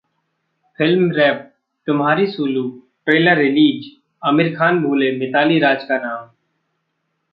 Film wrap: 'Tumhari Sulu' trailer release, Aamir Khan भूले मिताली राज का नाम